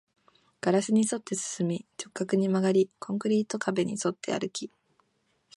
ガラスに沿って進み、直角に曲がり、コンクリート壁に沿って歩き